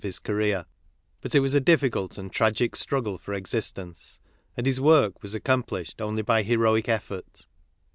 s career ; but it was a difficult and tragic struggle fof: existence, and his work was accom plished only by heroic effort.